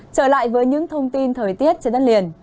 trở lại với những thông tin thời tiết trên đất liền